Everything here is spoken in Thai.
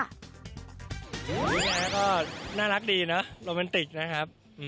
นี่ไงก็น่ารักดีเนอะโรแมนติกนะครับ